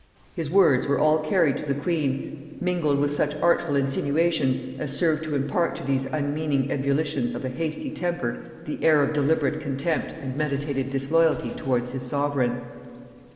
His words were all carried to the queen, mingled with such artful insinuations as served to impart to these unmeaning ebullitions of a hasty temper the air of deliberate contempt and meditated disloyalty towards his sovereign.